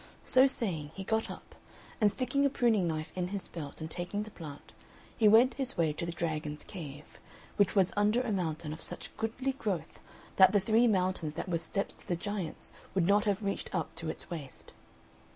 So saying, he got up, and sticking a pruning knife in his belt and taking the plant, he went his way to the dragon's cave, which was under a mountain of such goodly growth, that the three mountains that were steps to the Giants would not have reached up to its waist.